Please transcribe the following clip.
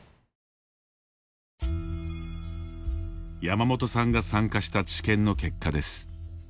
ヤマモトさんが参加した治験の結果です。